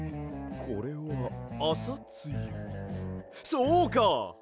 そうか！